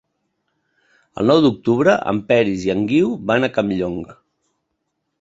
El nou d'octubre en Peris i en Guiu van a Campllong.